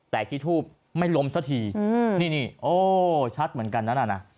แต่ที่ทูบไม่ลมสตีอืมนี่นี่โอห์ชัดเหมือนกันน่ะน่ะน่ะ